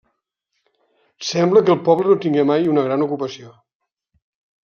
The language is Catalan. Sembla que el poble no tingué mai una gran ocupació.